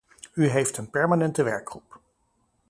U heeft een permanente werkgroep.